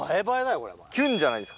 キュンじゃないですか。